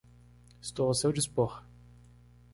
Estou ao seu dispor